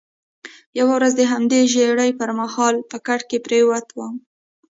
یوه ورځ د همدې ژېړي پر مهال په کټ کې پروت وم.